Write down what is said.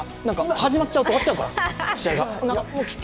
始まっちゃうと終わっちゃうから。